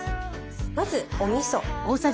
まずおみそ。